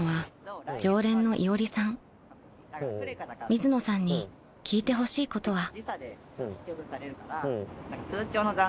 ［水野さんに聞いてほしいことは］